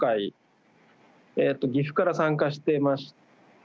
岐阜から参加してまして。